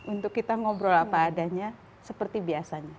untuk kita ngobrol apa adanya seperti biasanya